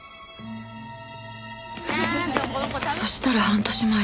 そしたら半年前。